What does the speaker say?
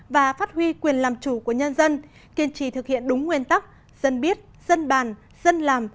và phát huy quyền làm chủ của nhân dân kiên trì thực hiện đúng nguyên tắc dân biết dân bàn dân làm